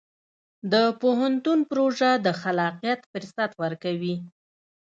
د پوهنتون پروژه د خلاقیت فرصت ورکوي.